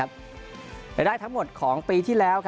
รายได้ทั้งหมดของปีที่แล้ว